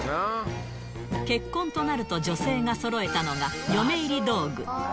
結婚となると女性がそろえたのが、嫁入り道具。